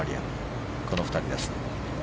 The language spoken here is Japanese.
この２人です。